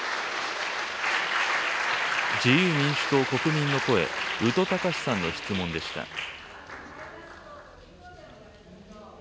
自由民主党・国民の声、宇都隆史さんの質問でした。